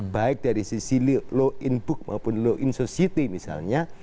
baik dari sisi law in book maupun law in society misalnya